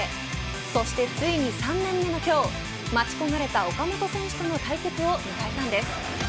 そしてついに３年目の今日待ち焦がれた岡本選手との対決を迎えたのです。